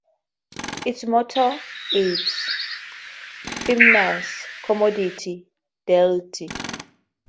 Its motto is "Firmnesse, Commodite, Delyte".